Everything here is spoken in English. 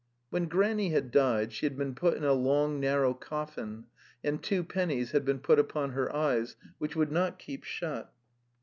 When Granny had died she had been put in a long narrow coffin and two pennies had been put upon her eyes, which would not keep shut.